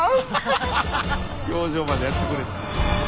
表情までやってくれて。